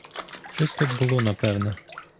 Щось тут було непевне!